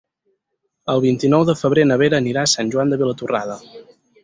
El vint-i-nou de febrer na Vera anirà a Sant Joan de Vilatorrada.